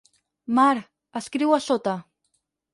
Mar, escriu a sota.